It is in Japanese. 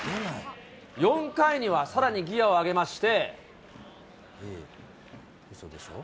４回にはさらにギアを上げまうそでしょ？